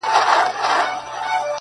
• ما خو گيله ترې په دې په ټپه کي وکړه.